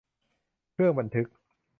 เครื่องบันทึก